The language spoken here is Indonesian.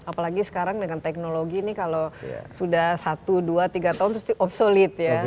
apalagi sekarang dengan teknologi ini kalau sudah satu dua tiga tahun obsolete ya